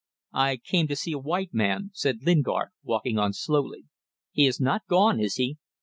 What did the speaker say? "I came to see a white man," said Lingard, walking on slowly. "He is not gone, is he?"